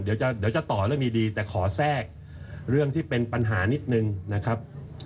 เดี๋ยวจะต่อเรื่องดีแต่ขอแทรกเรื่องที่เป็นปัญหานิดนึงนะครับ